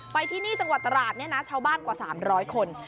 ไปที่นี่จังหวัดตราดเนี่ยนะชาวบ้านกว่า๓๐๐คน